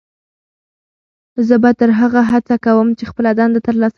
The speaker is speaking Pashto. زه به تر هغو هڅه کوم چې خپله دنده ترلاسه کړم.